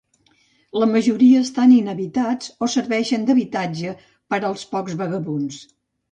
La majoria estan inhabitats o serveixen d'habitatge per als pocs vagabunds.